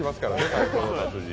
「太鼓の達人」。